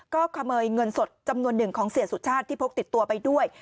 ก็ขโมยเงินสดจำนวนหนึ่งของเสียสุชาติที่พกติดตัวไปด้วย